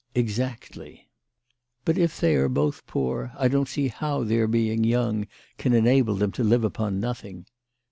"Exactly." " But if they are both poor, I don't see how their being young can enable them to live upon nothing."